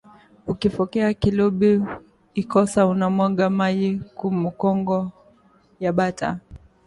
Uki fokeya kilubi ikosa una mwanga mayi ku mukongo ya bata